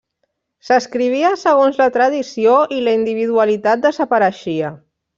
S'escrivia segons la tradició i la individualitat desapareixia.